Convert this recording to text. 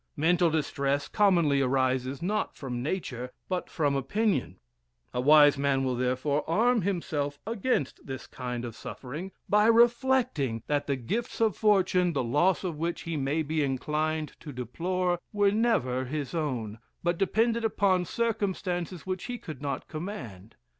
Mental distress commonly arises not from nature, but from opinion; a wise man will therefore arm himself against this kind of suffering, by reflecting that the gifts of fortune, the loss of which he may be inclined to deplore, were never his own, but depended upon circumstances which he could not command.